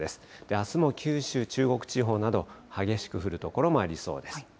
あすも九州、中国地方など、激しく降る所もありそうです。